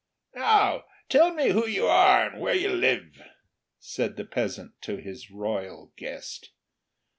"Now tell me who you are, and where you live?" said the peasant to his royal guest.